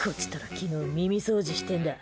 昨日、耳掃除してんだ。